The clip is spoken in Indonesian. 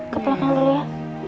ke belakang dulu ya